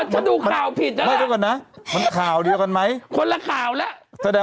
ฮ่าอายุอีกอันนึงนะ